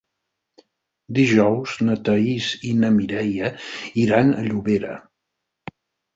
Dijous na Thaís i na Mireia iran a Llobera.